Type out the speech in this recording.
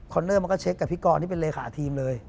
เนอร์มันก็เช็คกับพี่กรที่เป็นเลขาทีมเลย